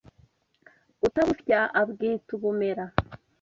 Utabusya abwita ubumera